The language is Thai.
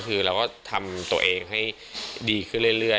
คือเราก็ทำตัวเองให้ดีขึ้นเรื่อย